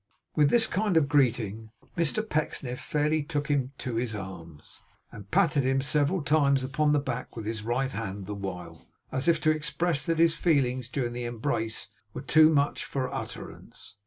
With this kind greeting, Mr Pecksniff fairly took him to his arms, and patted him several times upon the back with his right hand the while, as if to express that his feelings during the embrace were too much for utterance.